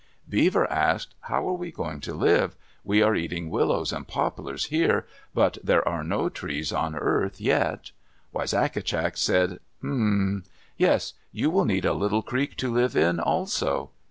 Beaver asked, "How are we going to live? We are eating willows and poplars here, but there are no trees on earth yet." Wisagatcak said, "Um m m m! Yes, you will need a little creek to live in also."